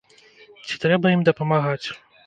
Ці трэба ім дапамагаць?